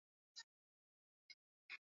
Wali ni mweupe.